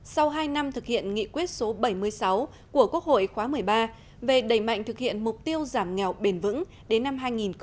sau hai năm thực hiện nghị quyết số bảy mươi sáu của quốc hội khóa một mươi ba về đẩy mạnh thực hiện mục tiêu giảm nghèo bền vững đến năm hai nghìn ba mươi